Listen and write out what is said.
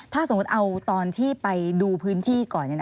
ถ้าสมมุติเอาตอนที่ไปดูพื้นที่ก่อน